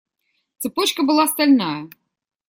Цепочка была стальная.